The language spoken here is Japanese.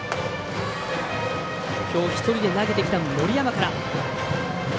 きょう１人で投げてきた森山から。